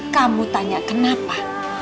kamu tanya kenapa